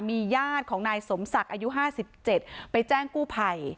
มีญาติของนายสมศักดิ์อายุ๕๗ไปแจ้งกู้ภัย